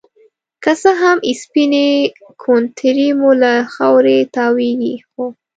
که څه هم سپينې کونترې مو له خاورې تاويږي ،خو